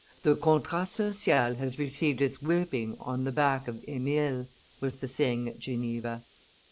"The Contrat Social has received its whipping on the back of Emile," was the saying at Geneva.